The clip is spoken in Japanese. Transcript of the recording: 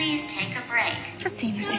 ちょっとすみません。